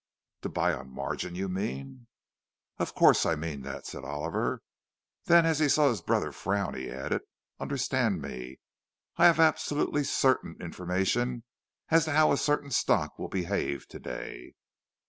"To buy on margin, you mean?" "Of course I mean that," said Oliver. Then, as he saw his brother frown, he added, "Understand me, I have absolutely certain information as to how a certain stock will behave to day."